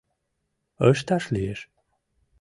Ышташ лиеш.